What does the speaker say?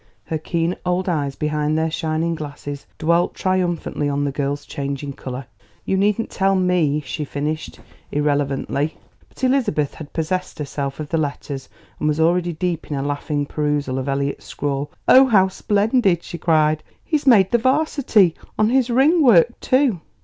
Her keen old eyes behind their shining glasses dwelt triumphantly on the girl's changing colour. "You needn't tell me!" she finished irrelevantly. But Elizabeth had possessed herself of the letters, and was already deep in a laughing perusal of Elliot's scrawl. "Oh, how splendid!" she cried; "he's made the Varsity, on his ring work, too!"